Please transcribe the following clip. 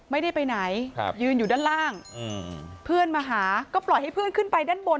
ไม่ได้ไปไหนยืนอยู่ด้านล่างเพื่อนมาหาก็ปล่อยให้เพื่อนขึ้นไปด้านบน